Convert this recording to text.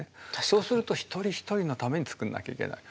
そうすると一人一人のために作んなきゃいけない。